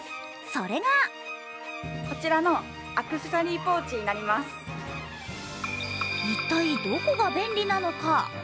それが一体、どこが便利なのか？